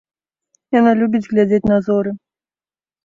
Яна любіць глядзець на зоры.